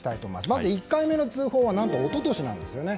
まず１回目の通報は何と一昨年なんですよね。